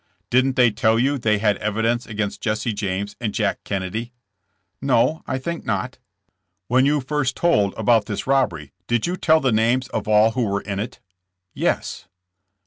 '' ''Didn't they tell you they had evidence against Jesse James and Jack Kennedy?" "No: I think not." "When you first told about this robbery, did you tell the names of all who were in it?" "Yes." Mr.